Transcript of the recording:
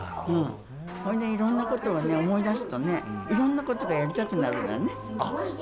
それでいろんなことを思い出すとね、いろんなことがやりたくなるんだよね。